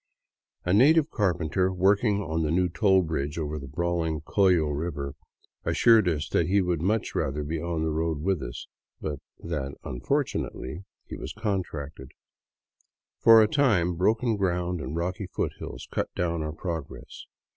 A native carpenter working on the new toll bridge over the brawling Collo river assured us he would much rather be on the road with us, but that " unfortunately,'* he was contracted. For a time broken ground and rocky foothills cut down our progress.